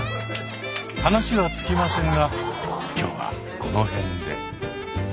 話は尽きませんが今日はこの辺で。